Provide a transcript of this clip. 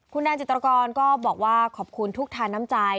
คุณแนนจิตรกรก็บอกว่าขอบคุณทุกทานน้ำใจ